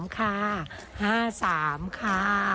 ค่ะ๕๓ค่ะ